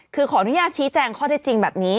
คือขออนุญาตชี้แจงข้อได้จริงแบบนี้